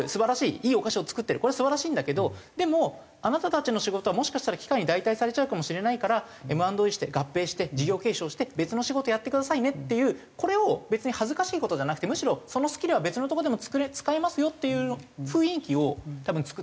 いいお菓子を作ってるこれは素晴らしいんだけどでもあなたたちの仕事はもしかしたら機械に代替されちゃうかもしれないからＭ＆Ａして合併して事業継承して別の仕事やってくださいねっていうこれを別に恥ずかしい事じゃなくてむしろそのスキルは別のとこでも使えますよっていう雰囲気を多分作っていかないとダメなんだと。